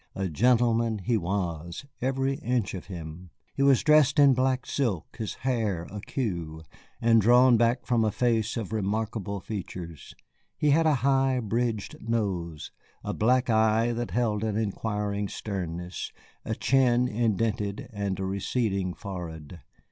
A gentleman he was, every inch of him. He was dressed in black silk, his hair in a cue, and drawn away from a face of remarkable features. He had a high bridged nose, a black eye that held an inquiring sternness, a chin indented, and a receding forehead.